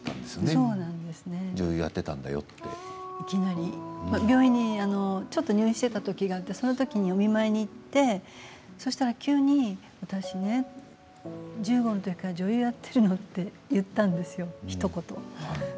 そうですねいきなり病院にちょっと入院していた時があってその時にお見舞いに行ってそうしたら急に私ね１５の時から女優やってるのと言ったんですよ、ひと言。